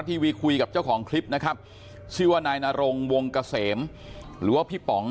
รถไฟสายสีม่วงนะครับรถไฟฟ้าสายสีม่วง